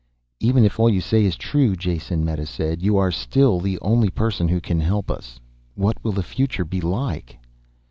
"Even if all you say is true, Jason," Meta said, "you are still the only person who can help us. What will the future be like?"